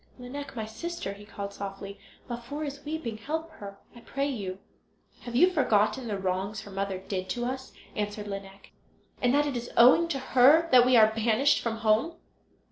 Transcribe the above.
"Lineik, my sister," he called, softly, "Laufer is weeping; help her, I pray you." "Have you forgotten the wrongs her mother did to us" answered Lineik, "and that it is owing to her that we are banished from home?"